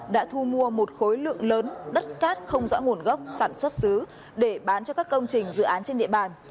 đã thu mua một khối lượng lớn đất cát không rõ nguồn gốc sản xuất xứ để bán cho các công trình dự án trên địa bàn